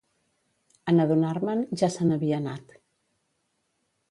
En adonar-me'n, ja se n'havia anat.